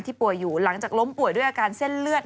ป่วยอยู่หลังจากล้มป่วยด้วยอาการเส้นเลือด